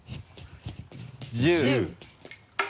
１０。